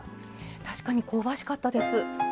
確かに、香ばしかったです。